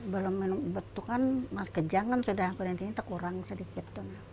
belum minum obat itu kan mas kejang kan sudah kurang sedikit